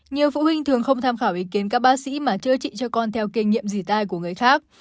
nhiều phụ huynh thường không tham khảo ý kiến các bác sĩ mà chữa trị cho con theo kinh nghiệm gì tai của người khác